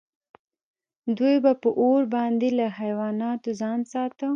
دوی به په اور باندې له حیواناتو ځان ساته.